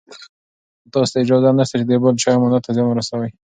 تاسو ته اجازه نشته چې د بل چا امانت ته زیان ورسوئ.